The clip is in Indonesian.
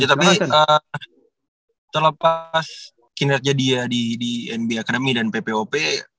ya tapi setelah pas kinerja dia di nb academy dan ppop